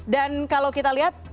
dan kalau kita lihat